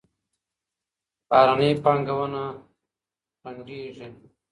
بهرني پانګونه خنډېږي.